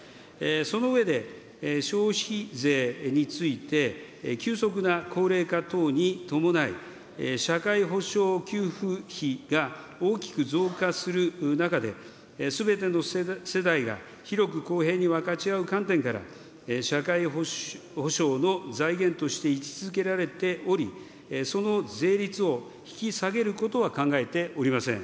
その上で、消費税について、急速な高齢化等に伴い、社会保障給付費が大きく増加する中で、すべての世代が広く公平に分かち合う観点から社会保障の財源として位置づけられており、その税率を引き下げることは考えておりません。